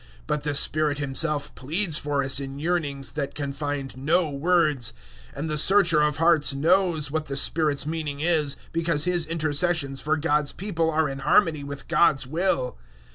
But the Spirit Himself pleads for us in yearnings that can find no words, 008:027 and the Searcher of hearts knows what the Spirit's meaning is, because His intercessions for God's people are in harmony with God's will.